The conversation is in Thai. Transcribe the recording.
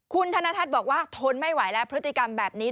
คุณธนทัศน์บอกว่าทนไม่ไหวแล้วพฤติกรรมแบบนี้